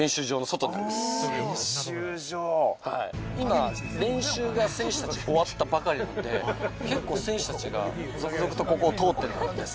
今、練習が選手達が終わったばかりなので、結構、選手たちが続々とここを通っているんです。